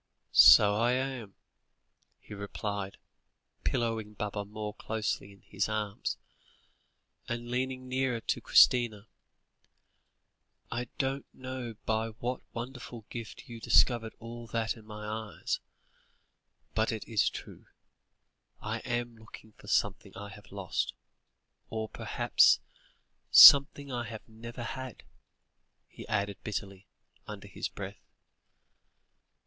"So I am," he replied, pillowing Baba more closely in his arms, and leaning nearer to Christina. "I don't know by what wonderful gift you discovered all that in my eyes but it is true. I am looking for something I have lost, or perhaps something I have never had," he added bitterly, under his breath.